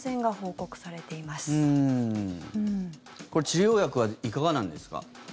これ、治療薬はいかがなんですか？